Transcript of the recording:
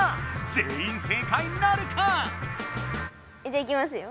全員正解なるか⁉じゃいきますよ。